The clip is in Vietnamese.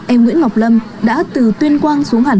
em nguyễn ngọc lâm đã từ tuyên quang xuống hà nội